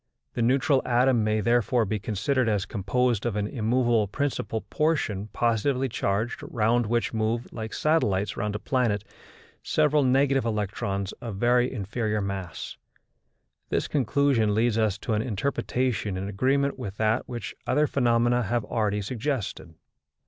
The neutral atom may therefore be considered as composed of an immovable principal portion positively charged, round which move, like satellites round a planet, several negative electrons of very inferior mass. This conclusion leads us to an interpretation in agreement with that which other phenomena have already suggested.